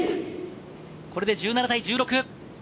これで１７対１６。